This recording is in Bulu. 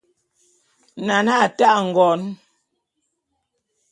Nane a ta'e ngon.